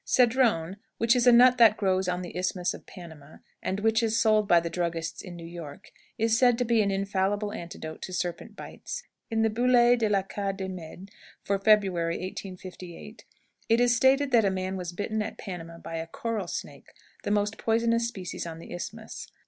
Cedron, which is a nut that grows on the Isthmus of Panama, and which is sold by the druggists in New York, is said to be an infallible antidote to serpent bites. In the Bullet. de l'Acad. de Méd. for February, 1858, it is stated that a man was bitten at Panama by a coral snake, the most poisonous species on the Isthmus.